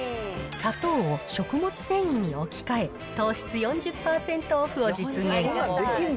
砂糖を食物繊維に置き換え、糖質４０％オフを実現。